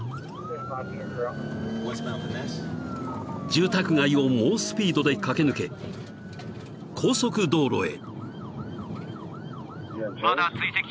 ［住宅街を猛スピードで駆け抜け高速道路へ］